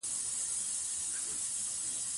د نرينه مرکزيت د ماتولو هڅه وکړه